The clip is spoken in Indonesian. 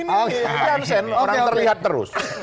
ini kan sen orang terlihat terus